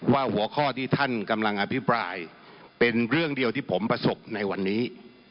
หัวข้อที่ท่านกำลังอภิปรายเป็นเรื่องเดียวที่ผมประสบในวันนี้